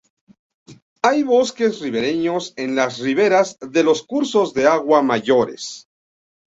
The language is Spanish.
Hay bosques ribereños en las riberas de los cursos de agua mayores.